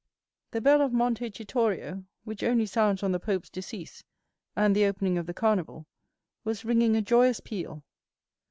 The bell of Monte Citorio, which only sounds on the pope's decease and the opening of the Carnival, was ringing a joyous peal.